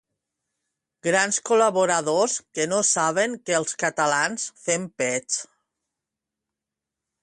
Grans col•laboradors que no saben que els catalans fem pets